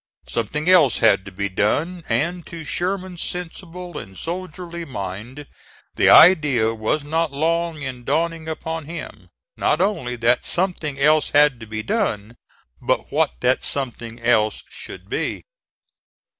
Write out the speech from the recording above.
Something else had to be done: and to Sherman's sensible and soldierly mind the idea was not long in dawning upon him, not only that something else had to be done, but what that something else should be.